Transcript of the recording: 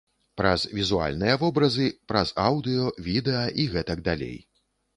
Праз візуальныя вобразы, праз аўдыё, відэа і гэтак далей.